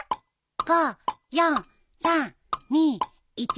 ５４３２１。